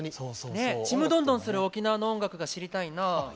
ちむどんどんする沖縄の音楽が知りたいな。